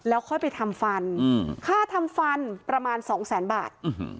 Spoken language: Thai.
ค่อยไปทำฟันค่าทำฟันประมาณสองแสนบาท